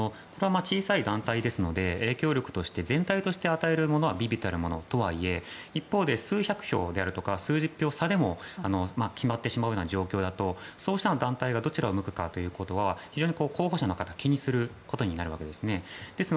小さい団体ですので影響力として全体として与えるものは微々たるものとはいえ一方で数百票であるとか数十票差でも決まってしまうような状況だとそうした団体がどちらを向くかということは非常に候補者の方は気にすることになるわけです。